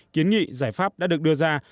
kiến nghị giải pháp đã được đưa ra